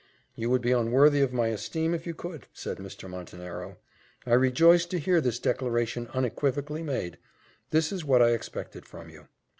"You would be unworthy of my esteem if you could," said Mr. Montenero. "I rejoice to hear this declaration unequivocally made; this is what I expected from you."